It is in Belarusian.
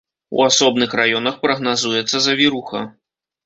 У асобных раёнах прагназуецца завіруха.